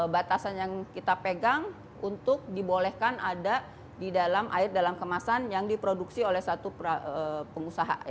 batasan yang kita pegang untuk dibolehkan ada di dalam air dalam kemasan yang diproduksi oleh satu pengusaha